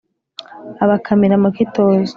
Abakamira mu kitoze